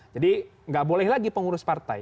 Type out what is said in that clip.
jadi gak boleh lagi pengurus partai